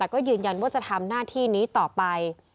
ก็ยืนยันว่าจะทำหน้าที่นี้ต่อไป